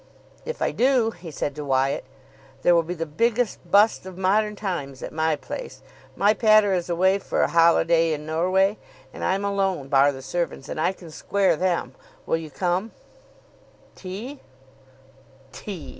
"If I do" he said to Wyatt, "there will be the biggest bust of modern times at my place. My pater is away for a holiday in Norway, and I'm alone, bar the servants. And I can square them. Will you come?" "Tea?" "Tea!"